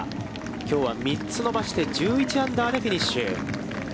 きょうは３つ伸ばして、１１アンダーでフィニッシュ。